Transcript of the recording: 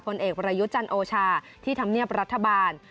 ผลเอกประยุจันโอชาที่ธรรมเนียบรัฐบาล